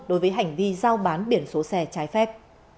đối với hành vi giao bán biển số xe trái phép